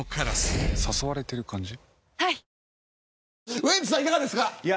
ウエンツさん、いかがですか。